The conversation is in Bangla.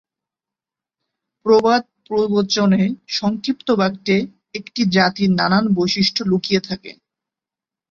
প্রবাদ-প্রবচনের সংক্ষিপ্ত বাক্যে একটি জাতির নানান বৈশিষ্ট্য লুকিয়ে থাকে।